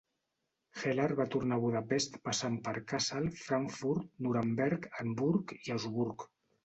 Heller va tornar a Budapest passant per Kassel, Frankfurt, Nuremberg, Hamburg i Augsburg.